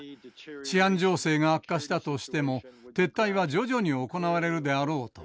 治安情勢が悪化したとしても撤退は徐々に行われるであろうと。